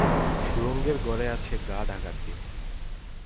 সুড়ঙ্গের ঘরে আছে গা ঢাকা দিয়ে।